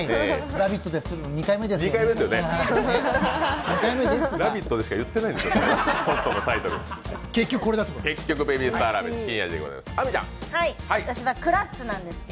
「ラヴィット！」で出すのは２回目ですが。